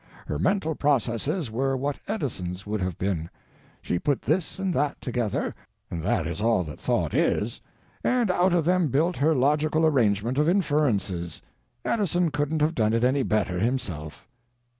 Her mental processes were what Edison's would have been. She put this and that together—and that is all that thought _is _—and out of them built her logical arrangement of inferences. Edison couldn't have done it any better himself.